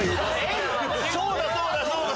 そうだそうだそうだ！